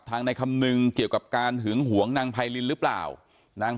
ในคำนึงเกี่ยวกับการหึงหวงนางไพรินหรือเปล่านาง